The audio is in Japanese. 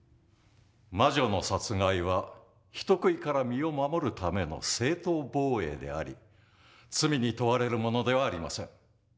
魔女の殺害は人食いから身を守るための正当防衛であり罪に問われるものではありません。